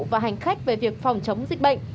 và hành khách về việc phòng chống dịch bệnh